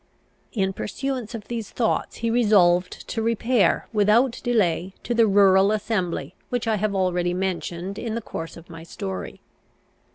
In pursuance of these thoughts he resolved to repair, without delay, to the rural assembly which I have already mentioned in the course of my story.